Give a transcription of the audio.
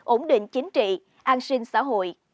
ổn định chính trị an sinh xã hội